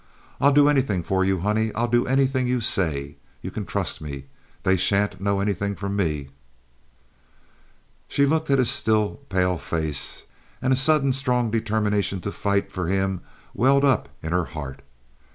I'll do anything for you, honey! I'll do anything you say. You can trust me. They sha'n't know anything from me." She looked at his still, pale face, and a sudden strong determination to fight for him welled up in her heart.